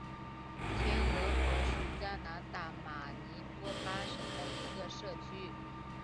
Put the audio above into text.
天鹅河是加拿大马尼托巴省的一个社区。